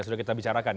sudah kita bicarakan